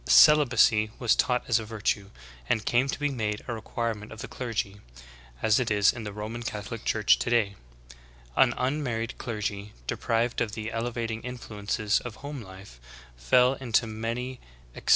Celibacy was taught as a virtue, and came to be made a requirement of the clergy, as it is in the Roman Catholic church today. An unmarried clergy, deprived of the elevating influences of home life, fell into many exces /Matt. 24:26. ^Mosbcim, "Eccl. Hist," Cent.